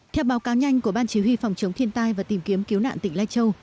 theo báo cáo nhanh của ban chỉ huy phòng chống thiên tai và tìm kiếm cứu nạn tỉnh lai châu